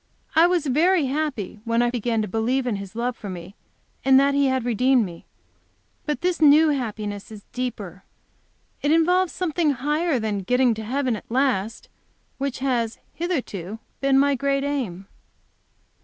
I was very happy when I began to believe in His love for me, and that He had redeemed me. But this new happiness is deeper; it involves something higher than getting to heaven at last, which has, hitherto, been my great aim.